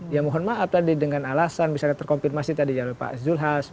ya mohon maaf tadi dengan alasan misalnya terkonfirmasi tadi pak zulhas